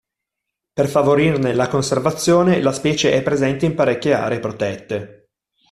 Per favorirne la conservazione, la specie è presente in parecchi aree protette.